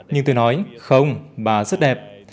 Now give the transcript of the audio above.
nhưng tôi nói không bà rất đẹp